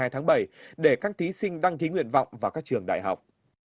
hai tháng bảy để các thí sinh đăng ký nguyện vọng vào các trường đại học